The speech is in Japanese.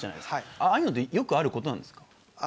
ああいうのってよくあることなんですか。